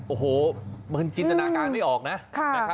โอ้โหมันจินตนาการไม่ออกนะ